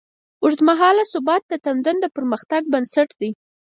اوږدمهاله ثبات د تمدن د پرمختګ بنسټ دی.